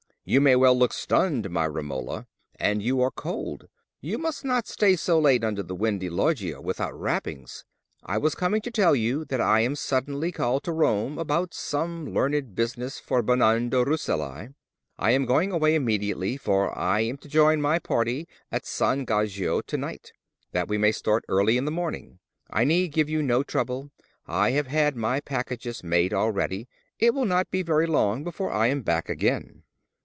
You may well look stunned, my Romola, and you are cold. You must not stay so late under that windy loggia without wrappings. I was coming to tell you that I am suddenly called to Rome about some learned business for Bernardo Rucellai. I am going away immediately, for I am to join my party at San Gaggio to night, that we may start early in the morning. I need give you no trouble; I have had my packages made already. It will not be very long before I am back again."